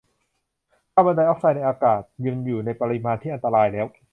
คาร์บอนไดอ็อกไซด์ในอากาศ อยู่ในปริมาณที่อันตรายแล้ว